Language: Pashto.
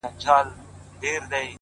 o تا ولي هر څه اور ته ورکړل د یما لوري؛